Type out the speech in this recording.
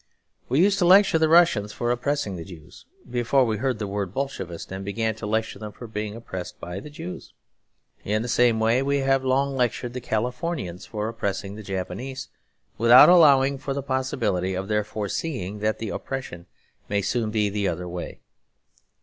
We used to lecture the Russians for oppressing the Jews, before we heard the word Bolshevist and began to lecture them for being oppressed by the Jews. In the same way we have long lectured the Californians for oppressing the Japs, without allowing for the possibility of their foreseeing that the oppression may soon be the other way.